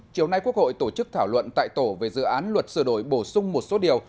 chiều nay quốc hội tổ chức thảo luận tại tổ về dự án luật sửa đổi bổ sung một số điều